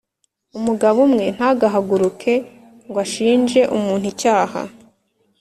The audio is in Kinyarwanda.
umugabo umwe ntagahaguruke ngo ashinje umuntu icyaha